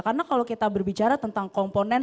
karena kalau kita berbicara tentang komponen